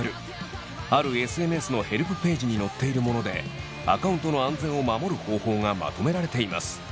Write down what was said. あるＳＮＳのヘルプページに載っているものでアカウントの安全を守る方法がまとめられています。